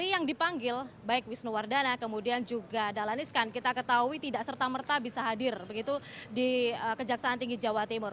yang dipanggil baik wisnuwardana kemudian juga dahlan iskan kita ketahui tidak serta merta bisa hadir begitu di kejaksaan tinggi jawa timur